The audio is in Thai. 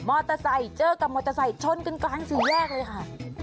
มอเตอร์ไซค์เจอกับมอเตอร์ไซค์ชนกันกระทั้งศรีแยกเลยค่ะ